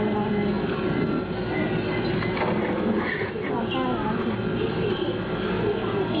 ครับใช่ครับ